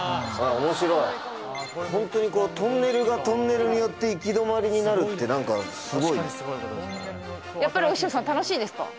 面白いホントにトンネルがトンネルによって行き止まりになるって何かすごいです。